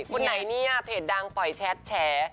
คนไหนเนี่ยเพจดังปล่อยแชทแฉ